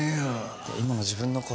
今の自分の声。